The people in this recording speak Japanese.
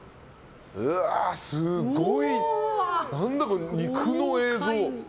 すごい、何だこの肉の映像。